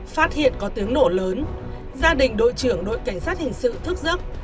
phát hiện có tiếng nổ lớn gia đình đội trưởng đội cảnh sát hình sự thức giấc